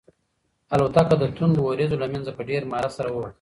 الوتکه د توندو وریځو له منځه په ډېر مهارت سره ووتله.